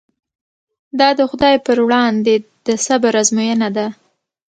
دا د خدای پر وړاندې د صبر ازموینه ده.